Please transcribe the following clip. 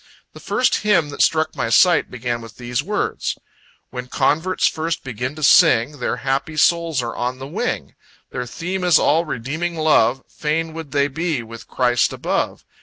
The first hymn that struck my sight began with these words: "When converts first begin to sing, Their happy souls are on the wing Their theme is all redeeming love; Fain would they be with Christ above.